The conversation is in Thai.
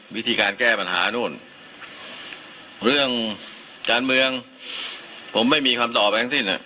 วิธีการแก้ปัญหานู่นเรื่องการเมืองผมไม่มีคำตอบอะไรทั้งสิ้น